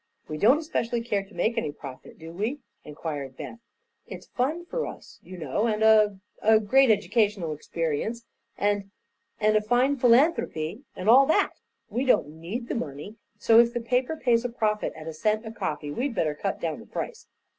"We don't especially care to make any profit, do we?" inquired Beth. "It's fun for us, you know, and a a great educational experience, and and a fine philanthropy and all that. We don't need the money, so if the paper pays a profit at a cent a copy we'd better cut down the price."